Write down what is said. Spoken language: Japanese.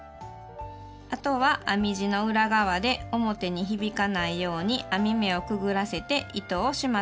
あとは編み地の裏側で表に響かないように編み目をくぐらせて糸を始末します。